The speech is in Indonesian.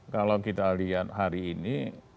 kalau kita lihat hari ini